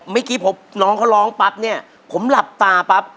เมื่อกี้น้องเขาร้องปั๊บเนี่ยผมหลับตาปั๊บ